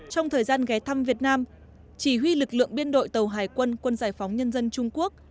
trong thời gian ghé thăm việt nam chỉ huy lực lượng biên đội tàu hải quân quân giải phóng nhân dân trung quốc